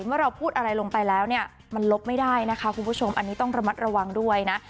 เมื่อเราพูดอะไรลงไปแล้วเนี่ยมันลบไม่ได้นะคะคุณผู้ชมอันนี้ต้องระมัดระวังด้วยนะ